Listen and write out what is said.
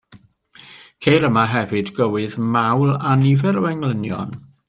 Ceir yma hefyd gywydd mawl a nifer o englynion.